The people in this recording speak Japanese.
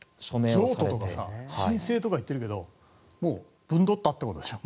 譲渡とか申請とか言っているけどもうぶんどったってことでしょ。